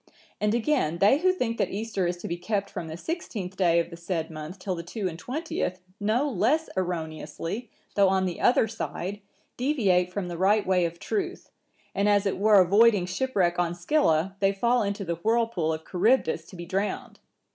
And again, they who think that Easter is to be kept from the sixteenth day of the said month till the two and twentieth(965) no less erroneously, though on the other side, deviate from the right way of truth, and as it were avoiding shipwreck on Scylla, they fall into the whirlpool of Charybdis to be drowned.